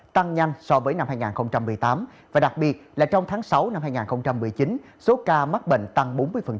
tăng nhanh so với năm hai nghìn một mươi tám và đặc biệt là trong tháng sáu năm hai nghìn một mươi chín số ca mắc bệnh tăng bốn mươi